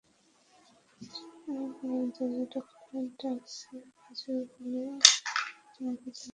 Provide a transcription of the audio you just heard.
আমি বাগানের দরজাটা খোলা রাখছি, আর কিছু হলে আমি তোমাকে জানাবো।